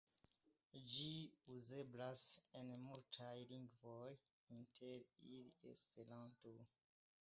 Ĝi uzeblas en multaj lingvoj, inter ili Esperanto.